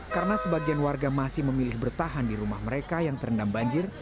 karena sebagian warga masih memilih bertahan di rumah mereka yang terendam banjir